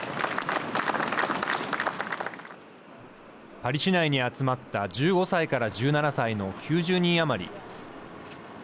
パリ市内に集まった１５歳から１７歳の９０人余り。